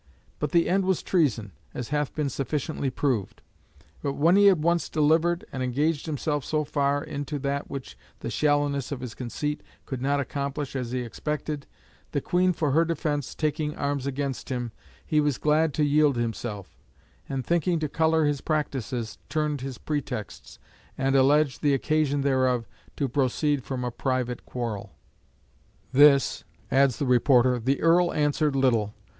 But the end was treason, as hath been sufficiently proved. But when he had once delivered and engaged himself so far into that which the shallowness of his conceit could not accomplish as he expected, the Queen for her defence taking arms against him, he was glad to yield himself; and thinking to colour his practices, turned his pretexts, and alleged the occasion thereof to proceed from a private quarrel.' "To this" (adds the reporter) "the Earl answered little.